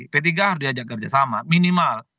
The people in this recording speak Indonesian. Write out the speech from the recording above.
p tiga harus diajak kerjasama minimal